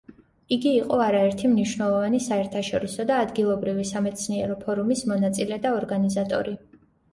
იგი იყო არაერთი მნიშვნელოვანი საერთაშორისო და ადგილობრივი სამეცნიერო ფორუმის მონაწილე და ორგანიზატორი.